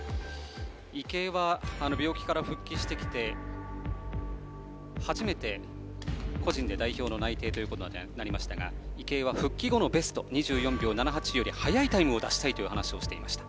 池江は、病気から復帰してきて初めて個人で代表内定となりましたが池江は復帰後のベスト２４秒７８より速いタイムを出したいと話していました。